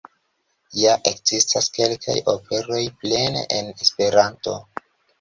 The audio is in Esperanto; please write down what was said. Ja ekzistas kelkaj operoj plene en Esperanto.